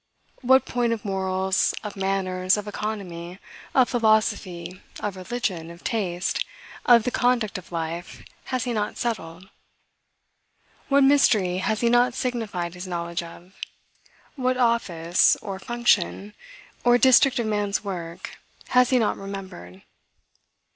What point of morals, of manners, of economy, of philosophy, of religion, of taste, of the conduct of life, has he not settled? What mystery has he not signified his knowledge of? What office or function, or district of man's work, has he not remembered?